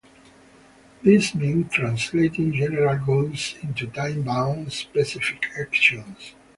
This meant translating general goals into time-bound specific actions.